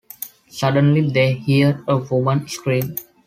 Suddenly, they hear a woman scream.